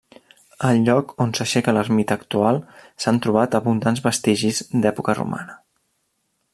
Al lloc on s'aixeca l'ermita actual s'han trobat abundants vestigis d'època romana.